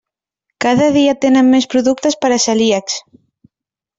Cada dia tenen més productes per a celíacs.